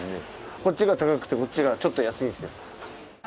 こっちが高くてこっちがちょっと安いんですよ。